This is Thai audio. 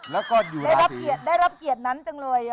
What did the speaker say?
แล้วก็อยู่ราศิได้รับเกียรตินั้นจังเลย